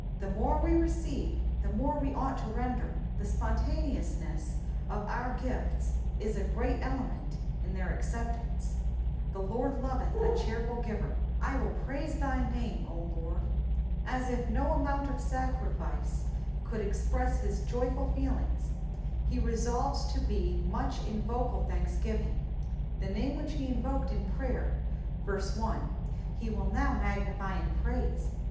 The more we receive, the more we ought to render. The spontaneousness of our gifts is a great element in their acceptance ; the Lord loveth a cheerful giver. / toiU praise thy name, 0 Lord.^^ As if no amount of sacrifice could express his joyful feelings, he resolves to be much in vocal thanksgiving. The name which he invoked in prayer (verse 1), he will now magnify in praise.